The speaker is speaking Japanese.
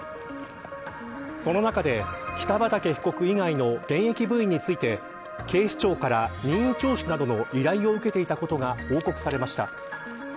その中で、北畠被告以外の現役部員について警視庁から、任意聴取などの依頼を受けていたことが報告されました。